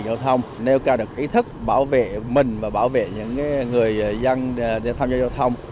đều cao được ý thức bảo vệ mình và bảo vệ những người dân tham gia giao thông